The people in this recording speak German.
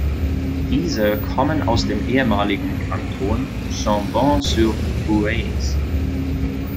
Diese kommen aus dem ehemaligen Kanton Chambon-sur-Voueize.